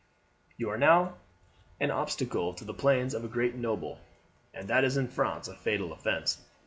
"You are an obstacle to the plans of a great noble, and that is in France a fatal offence.